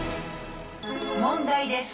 問題です。